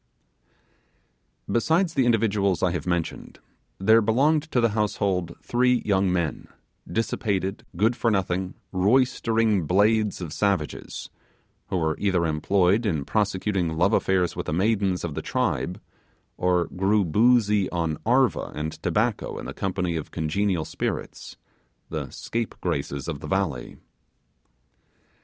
Besides the individuals I have mentioned, there belonged to the household three young men, dissipated, good for nothing, roystering blades of savages, who were either employed in prosecuting love affairs with the maidens of the tribe, or grew boozy on 'arva' and tobacco in the company of congenial spirits, the scapegraces of the valley.